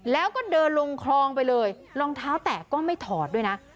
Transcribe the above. แล้วก็เดินลงคลองไปเลยรองเท้าแตะก็ไม่ถอดด้วยนะ